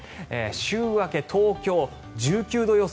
週明け、東京１９度予想。